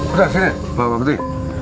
udah sini bapak putri